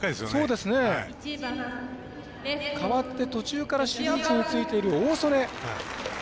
代わって途中から守備位置についている大曽根。